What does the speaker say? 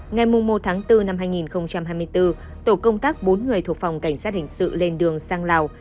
ngày một tháng bốn năm hai nghìn hai mươi bốn tổ công tác bốn người thuộc phòng cảnh sát hình sự lên đường sang lào